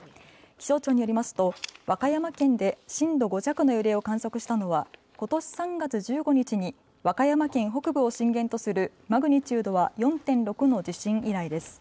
気象庁によりますと和歌山県で震度５弱の揺れを観測したのはことし３月１５日に和歌山県北部を震源とするマグニチュードは４．６の地震以来です。